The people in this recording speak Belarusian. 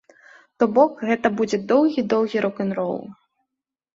То бок, гэта будзе доўгі-доўгі рок-н-рол.